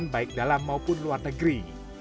baik dalam maupun luar negeri